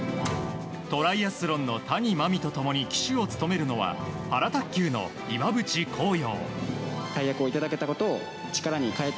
トライアスロンの谷と共に旗手を務めるのはパラ卓球の、岩渕幸洋。